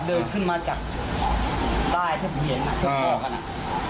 เดินขึ้นมาจากใต้เทพเพียงเทพศพศัตรู